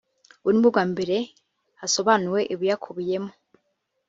ubu ni bwo bwa mbere hasobanuwe ibiyakubiyemo